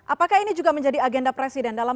apakah ini juga menjadi agenda presiden dalam